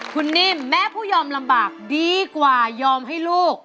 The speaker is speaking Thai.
คุณนิ่มแม้ผู้ยอมลำบากดีกว่ายอมให้ลูก